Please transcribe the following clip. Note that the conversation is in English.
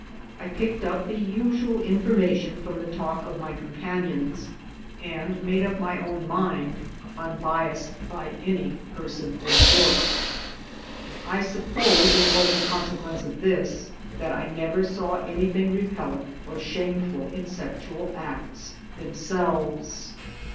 I picked up the usual information from the talk of my. companions, and made up my own mind 30 MY DAYS AND; DREAMS unbiased by any person or book. I suppose it was in consequence of this that I never saw anything repel lent or shameful in sexual acts themselves.